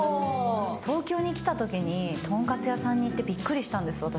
東京に来たときに、とんかつ屋さんに行ってびっくりしたんです、私。